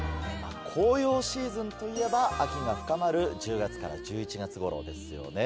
紅葉シーズンといえば秋が深まる１０月から１１月ごろですよね。